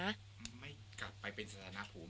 ไม่กลับไปเป็นสถานภูมิ